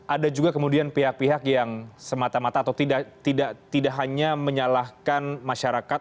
ada juga kemudian pihak pihak yang semata mata atau tidak hanya menyalahkan masyarakat